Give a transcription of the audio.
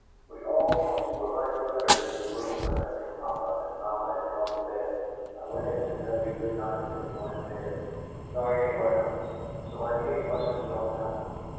We all thought you were writing letters in your room, but after papa and mamma had gone to bed I went in to tell you good night, and you weren't there, nor anywhere else; so I knew you must have gone out.